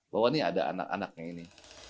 bahwa ini ada anak anaknya ini